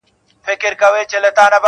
جرسونه به شرنګیږي د وطن پر لویو لارو-